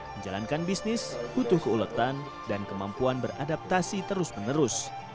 menjalankan bisnis butuh keuletan dan kemampuan beradaptasi terus menerus